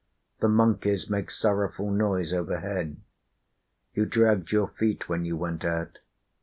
The monkeys make sorrowful noise overhead. You dragged your feet when you went out.